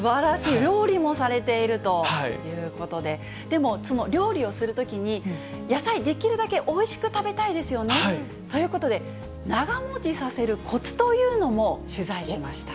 料理もされているということで、でもその料理をするときに、野菜、できるだけおいしく食べたいですよね。ということで、長もちさせるこつというのも、取材しました。